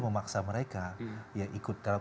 memaksa mereka yang ikut dalam